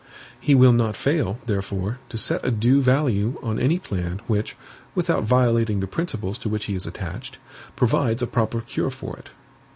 He will not fail, therefore, to set a due value on any plan which, without violating the principles to which he is attached, provides a proper cure for it.